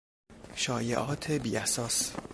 شایعات بیاساس